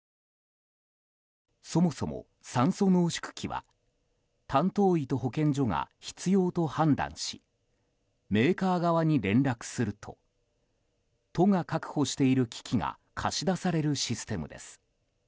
そもそも酸素濃縮器は担当医と保健所が必要と判断しメーカー側に連絡すると都が確保している機器が貸し出されるシステムです。